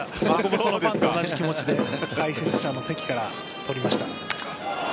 ファンと同じ気持ちで解説者の席から撮りました。